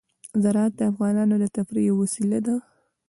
زراعت د افغانانو د تفریح یوه وسیله ده.